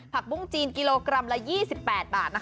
ปุ้งจีนกิโลกรัมละ๒๘บาท